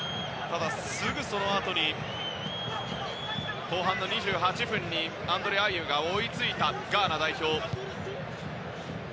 ただ、すぐそのあと後半２８分にアンドレ・アイェウが追いついたガーナ代表。